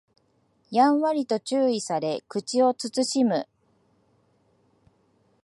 やんわりと注意され口を慎む